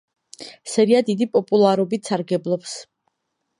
სერია დიდი პოპულარობით სარგებლობს.